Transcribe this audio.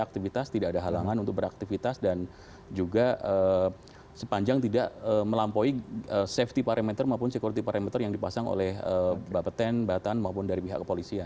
aktivitas tidak ada halangan untuk beraktivitas dan juga sepanjang tidak melampaui safety parameter maupun security parameter yang dipasang oleh bapak ten batan maupun dari pihak kepolisian